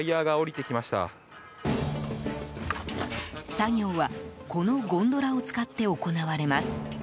作業はこのゴンドラを使って行われます。